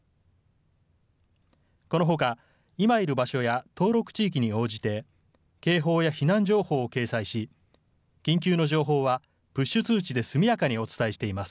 このほか今いる場所や登録地域に応じて、警報や避難情報を掲載し、緊急の情報はプッシュ通知で速やかにお伝えしています。